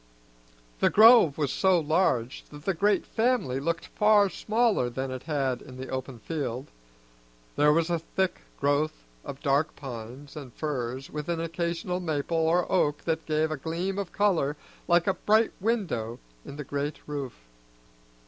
The grove was so large that the great family looked far smaller than it had in the open field; there was a thick growth of dark pines and firs with an occasional maple or oak that gave a gleam of color like a bright window in the great roof.